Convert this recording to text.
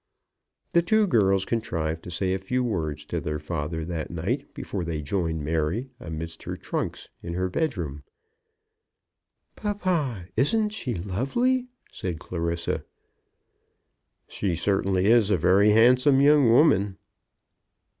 The two girls contrived to say a few words to their father that night before they joined Mary amidst her trunks in her bedroom. "Papa, isn't she lovely?" said Clarissa. "She certainly is a very handsome young woman."